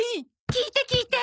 聞いて聞いて！